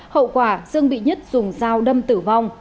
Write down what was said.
hậu quả dương bị nhất dùng dao đâm tử vong